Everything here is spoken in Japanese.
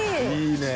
いいね。